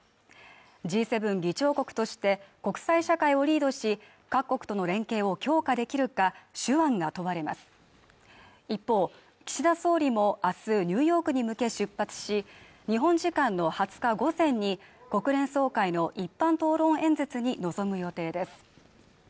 Ｇ７議長国として国際社会をリードし各国との連携を強化できるか手腕が問われます一方、岸田総理もあすニューヨークに向け出発し日本時間の２０日午前に国連総会の一般討論演説に臨む予定です